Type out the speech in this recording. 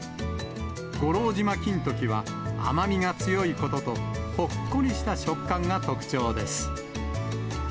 五郎島金時は、甘みが強いことと、ほっこりした食感が特徴です。